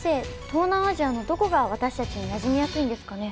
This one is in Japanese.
東南アジアのどこが私たちになじみやすいんですかね？